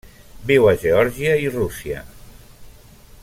Viu a Geòrgia i Rússia.